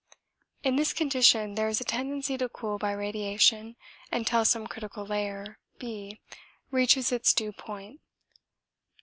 In this condition there is a tendency to cool by radiation until some critical layer, B, reaches its due point.